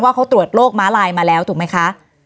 เขาตรวจโรคม้าลายมาแล้วถูกไหมคะ